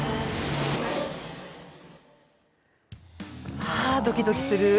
はあ、ドキドキする。